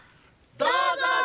どうぞ！